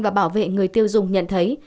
và bảo vệ người tiêu dùng nhận thấy